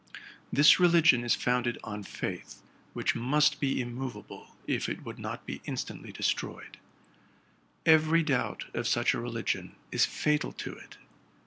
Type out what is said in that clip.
This religion is founded on faith, which must be immovable if it would not be instantly destroyed. Every doubt of such a religion is fatal to it.